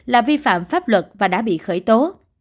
là vi phạm pháp luật và đã bị khởi tố